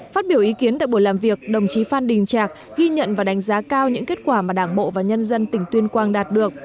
phát biểu ý kiến tại buổi làm việc đồng chí phan đình trạc ghi nhận và đánh giá cao những kết quả mà đảng bộ và nhân dân tỉnh tuyên quang đạt được